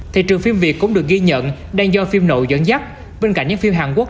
thị trường phim việt cũng được ghi nhận đang do phim nội dẫn dắt bên cạnh những phim hàn quốc